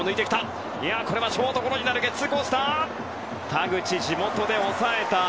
田口、地元で抑えた。